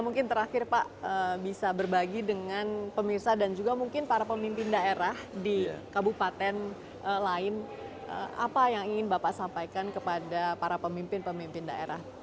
mungkin terakhir pak bisa berbagi dengan pemirsa dan juga mungkin para pemimpin daerah di kabupaten lain apa yang ingin bapak sampaikan kepada para pemimpin pemimpin daerah